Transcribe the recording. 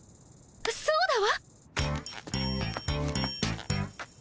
そうだわ！